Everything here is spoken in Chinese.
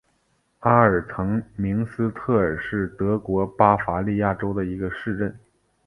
阿尔滕明斯特尔是德国巴伐利亚州的一个市镇。